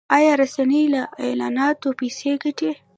آیا رسنۍ له اعلاناتو پیسې ګټي؟